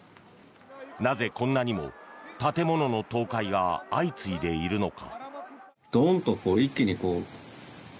なぜ、こんなにも建物の倒壊が相次いでいるのか。